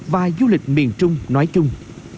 và du lịch miền trung nói chung